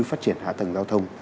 phát triển hạ tầng giao thông